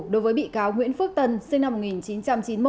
đối với bị cáo nguyễn phước tân sinh năm một nghìn chín trăm chín mươi một